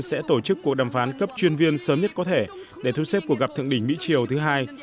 sẽ tổ chức cuộc đàm phán cấp chuyên viên sớm nhất có thể để thu xếp cuộc gặp thượng đỉnh mỹ triều thứ hai